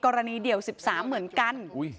เดี่ยว๑๓เหมือนกัน